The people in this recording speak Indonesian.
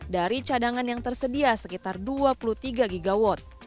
dari cadangan yang tersedia sekitar dua puluh tiga gigawatt